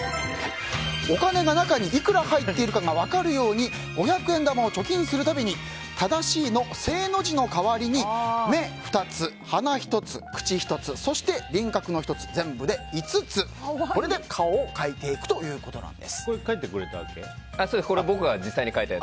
お金が中にいくら入っているかが分かるように五百円玉を貯金する度に正しいの正の字の代わりに目２つ、鼻１つ、口１つそして輪郭の１つ、全部で５つこれで顔を描いていくということです。